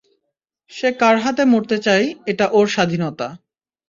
সে কার হাতে মরতে চায়, এটা ওর স্বাধীনতা।